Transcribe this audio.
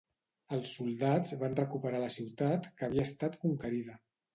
Els soldats van recuperar la ciutat que havia estat conquerida.